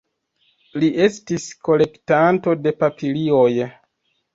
Li estis kolektanto de papilioj.